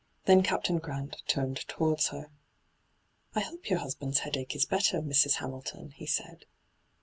Then Captain Grant turned towards her. ' I hope your husband's headache is better, Mrs. Hamilton,' he said.